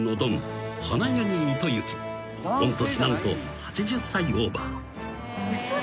［御年何と８０歳オーバー］